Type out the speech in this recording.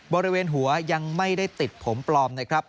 บริเวณหัวยังไม่ได้ติดผมปลอมนะครับ